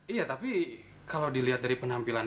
iya tapi kalau dilihat dari penampilan